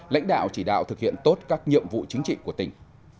lãnh đạo chỉ đạo thực hiện tốt các nhiệm vụ chính trị của tỉnh